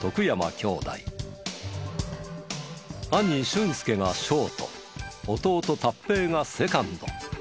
兄駿佑がショート弟達平がセカンド。